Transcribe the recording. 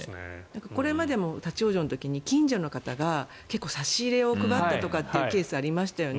これまでも立ち往生の時に近所の方が結構差し入れを配ったというケースがありましたよね。